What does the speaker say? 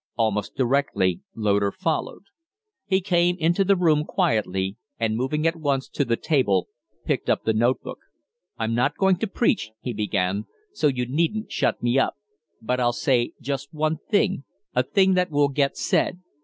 Almost directly Loder followed. He came into the room quietly, and, moving at once to the table, picked up the note book. "I'm not going to preach," he began, "so you needn't shut me up. But I'll say just one thing a thing that will get said.